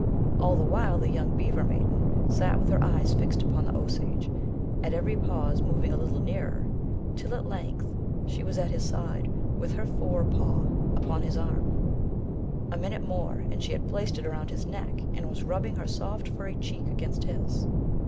All the while the young beaver maiden sat with her eyes fixed upon the Osage, at every pause moving a little nearer, till at length she was at OBIGIN OF THE WERE WOLF MYTH. 159 his side with her forepaw upon his arm ; a minute more and she had placed it around his neck, and was rubbing her soft furry cheek against his.